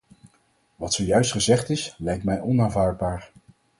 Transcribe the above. Wat zojuist gezegd is, lijkt mij onaanvaardbaar.